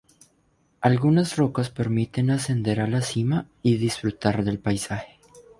Algunas rocas permiten ascender a la cima y disfrutar del paisaje.